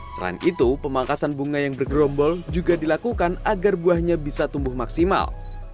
selain itu pemangkasan bunga yang bergerombol juga dilakukan agar buahnya bisa tumbuh maksimal